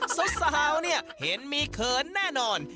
สาวเนี่ยเห็นมีเขินแน่นอน